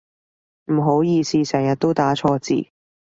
唔好意思成日都打錯字